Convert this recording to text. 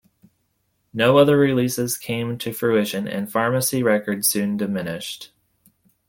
No other releases came to fruition, and Fharmacy Records soon diminished.